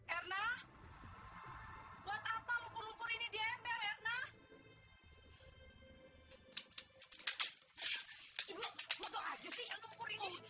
erna buat apa lupur lupur ini di ember